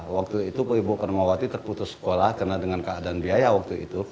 waktu itu ibu karmawati terputus sekolah karena dengan keadaan biaya waktu itu